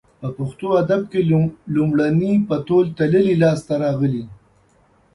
په پښتو ادب کې لومړنۍ په تول تللې لاسته راغلې